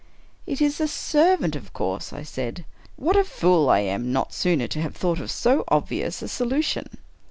"It is a servant, of course," I said; "what a fool I am, not sooner to have thought of so obvious a solution!